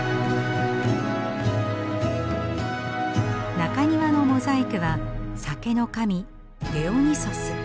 中庭のモザイクは酒の神ディオニュソス。